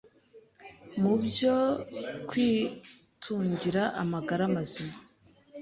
mu byo kwitungira amagara mazima